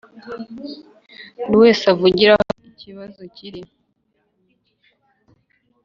ngo buri wese avugire aho ari! ikibazo kiri